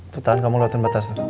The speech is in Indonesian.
tuh tan kamu lewatin batas tuh